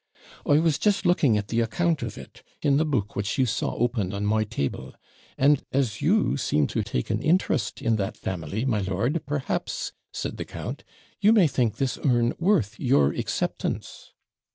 'I was just looking at the account of it, in the book which you saw open on my table. And as you seem to take an interest in that family, my lord, perhaps,' said the count, 'you may think this urn worth your acceptance.'